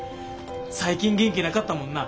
最近元気なかったもんな。